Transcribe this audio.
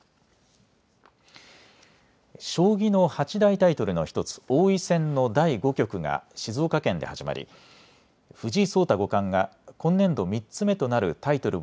将棋の八大タイトルの１つ王位戦の第５局が静岡県で始まり藤井聡太五冠が今年度３つ目となるタイトル